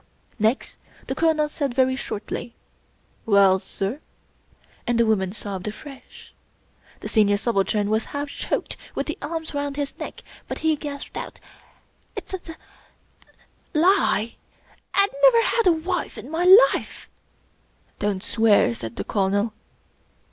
Next the Colonel said, very shortly: "Well, sir?" and the woman sobbed afresh. The Senior Subaltern was half choked with the arms round his neck, but he gasped out: " It's a d— d lie ! I never had a wife in my life !"" Don't swear," said the Colonel.